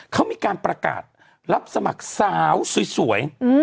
เขามีการประกาศรับสมัครสาวสวย